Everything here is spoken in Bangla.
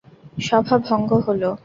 সভা ভঙ্গ হল।